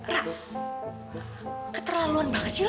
rah keterlaluan banget sih lho